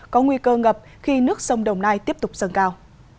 có nguy cơ ngập khi nước sông đồng nai tiếp tục dâng cao